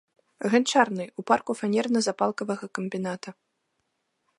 Ганчарнай, у парку фанерна-запалкавага камбіната.